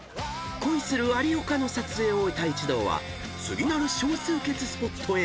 ［恋する有岡の撮影を終えた一同は次なる少数決スポットへ］